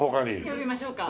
呼びましょうか？